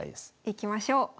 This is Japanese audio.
いきましょう。